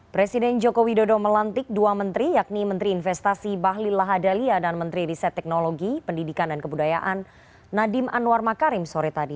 presiden joko widodo melantik dua menteri yakni menteri investasi bahlil lahadalia dan menteri riset teknologi pendidikan dan kebudayaan nadiem anwar makarim sore tadi